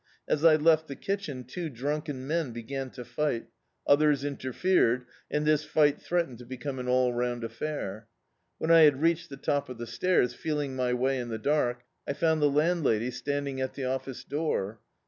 As I left the kitchen, two drunken men began to fight; others interfered, and this fi^t threatened to be come an all round affair. When I had reached the top of the stairs, feeling my way in the dark, I found the landlady standing at the office door.